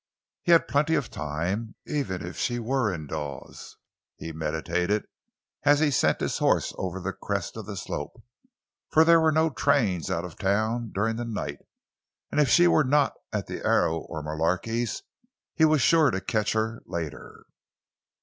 He had plenty of time, even if she were in Dawes, he meditated as he sent his horse over the crest of the slope, for there were no trains out of the town during the night, and if she were not at the Arrow or Mullarky's, he was sure to catch her later.